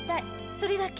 それだけ。